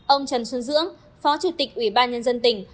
ông trần xuân dưỡng phó chủ tịch ủy ban nhân dân tỉnh